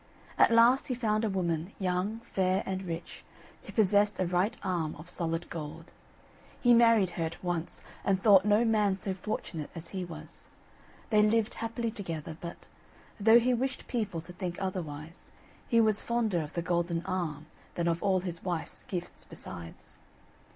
At last he found a woman, young, fair, and rich, who possessed a right arm of solid gold. He married her at once, and thought no man so fortunate as he was. They lived happily together, but, though he wished people to think otherwise, he was fonder of the golden arm than of all his wife's gifts besides.